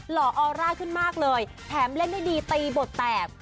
ห่อออร่าขึ้นมากเลยแถมเล่นได้ดีตีบทแตก